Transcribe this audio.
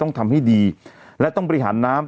ต้องทำให้ดีและต้องบริหารน้ำ